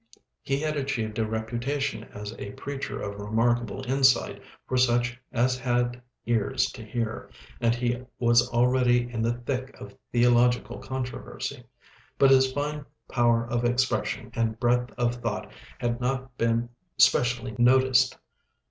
He had achieved a reputation as a preacher of remarkable insight for such as had ears to hear, and he was already in the thick of theological controversy; but his fine power of expression and breadth of thought had not been specially noticed.